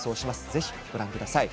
ぜひ、ご覧ください。